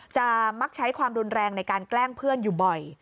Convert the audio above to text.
มักใช้ความรุนแรงในการแกล้งเพื่อนอยู่บ่อย